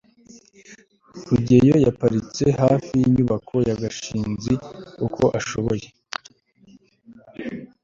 rugeyo yaparitse hafi yinyubako ya gashinzi uko ashoboye